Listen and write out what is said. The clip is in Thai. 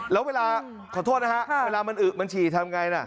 แล้วเวลาขอโทษนะฮะเวลามันอึมันฉี่ทำไงนะ